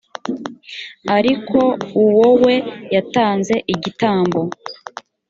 ariko uwo we yatanze igitambo